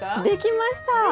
できました！